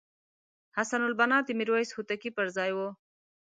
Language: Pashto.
حسن البناء د میرویس هوتکي پرځای وو.